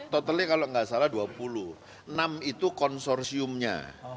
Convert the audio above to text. totalnya kalau nggak salah dua puluh enam itu konsorsiumnya